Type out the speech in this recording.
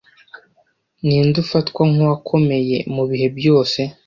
Ninde ufatwa nkuwakomeye mubihe byose